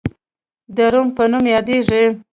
د روه په نوم یادیږي.